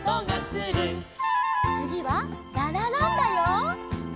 つぎはララランだよ。